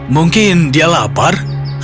mungkin dia lapar